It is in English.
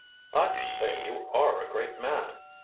"I say you are a great man!"